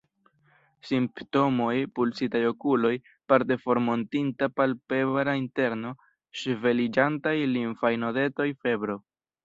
Simptomoj:Pulsitaj okuloj, parte formortinta palpebra interno, ŝveliĝantaj limfaj nodetoj, febro.